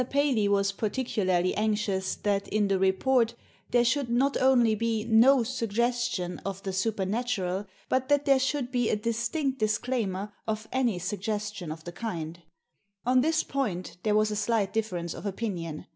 Paley was particularly anxious that in the report there should not only be no suggestion of the supernatural, but that there should be a distinct disclaimer of any suggestion of the kind On this point there was a slight difference of opinion.